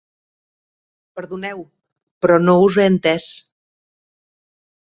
Perdoneu, però no us he entès.